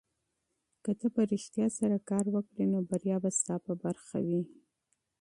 که ته په رښتیا سره کار وکړې نو بریا به ستا په برخه وي.